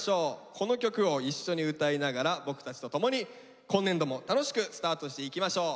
この曲を一緒に歌いながら僕たちとともに今年度も楽しくスタートしていきましょう。